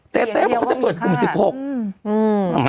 เตเต้บอกเขาจะเปิดกลุ่ม๑๖